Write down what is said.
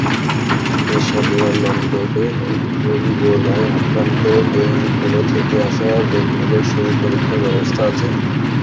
এসব বিমানবন্দরে ইবোলায় আক্রান্ত দেশগুলো থেকে আসা ব্যক্তিদের শরীর পরীক্ষার ব্যবস্থা আছে।